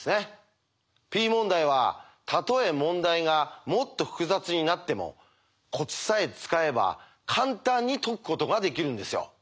Ｐ問題はたとえ問題がもっと複雑になってもコツさえ使えば簡単に解くことができるんですよ。